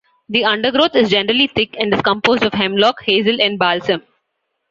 The undergrowth is Generally thick and is composed of Hemlock, Hazel, and Balsam.